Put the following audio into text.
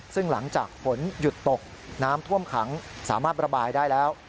ซึ่งหลังจากฝนหยุดตกน้ำท่วมขังสามารถระบายได้แล้ว